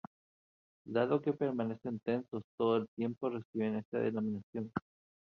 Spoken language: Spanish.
Dado que permanecen tensos todo el tiempo reciben esta denominación.